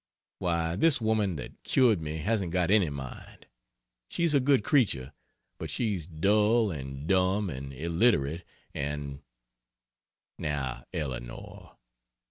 Why, this woman that cured me hasn't got any mind. She's a good creature, but she's dull and dumb and illiterate and " "Now Eleanor!"